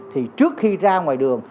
thì trước khi ra ngoài đường